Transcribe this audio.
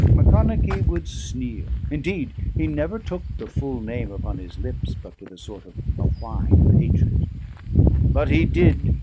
Macconochie would sneer; indeed, he never took the full name upon his lips but with a sort of a whine of hatred. "But he did!